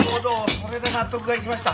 それで納得いきました。